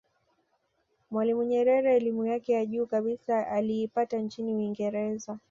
mwalimu nyerere elimu yake ya juu kabisa aliipata nchini uingereza